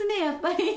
やっぱり。